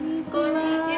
こんにちは。